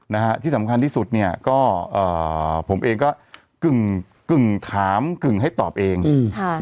นะฮะที่สำคัญที่สุดเนี่ยก็เอ่อผมเองก็กึ่งกึ่งถามกึ่งให้ตอบเองอืมค่ะ